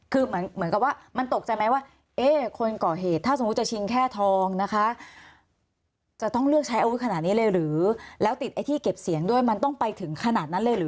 คือเหมือนกับมันตกใจไหมว่าไอคนเก่าเหตุถ้าสมมติจิงแค่ทองนะคะ